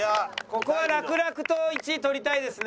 ここは楽々と１位取りたいですね。